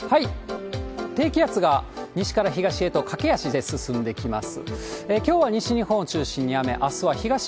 低気圧が西から東へと駆け足で進んできます。